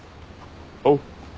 おう。